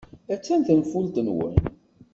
Attan tenfult-nwen.